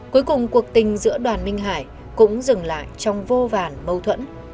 cuối cùng cuộc tình giữa đoàn minh hải cũng dừng lại trong vô vàn mâu thuẫn